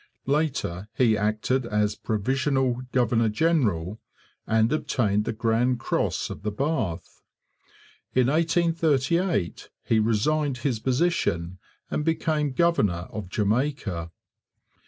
Later he acted as provisional governor general, and obtained the Grand Cross of the Bath. In 1838 he resigned his position and became governor of Jamaica.